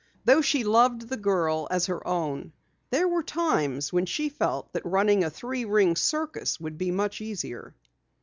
Though she loved the girl as her own, there were times when she felt that running a three ring circus would be much easier.